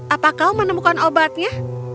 apa kau menemukan obatnya